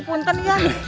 jangan terlalu serba